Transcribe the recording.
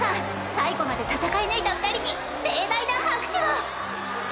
最後まで戦い抜いた二人に盛大な拍手を！